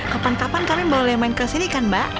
kapan kapan kami boleh main kesini kan mbak